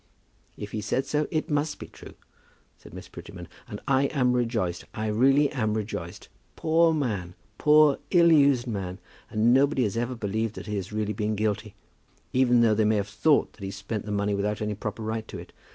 "If he said so, it must be true," said Miss Prettyman; "and I am rejoiced. I really am rejoiced. Poor man! Poor ill used man! And nobody has ever believed that he has really been guilty, even though they may have thought that he spent the money without any proper right to it.